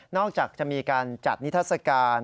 นอกจากจะมีการจัดนิทรศการ